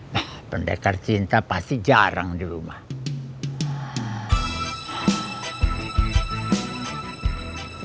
nah pendekar cinta pasti jarang di rumah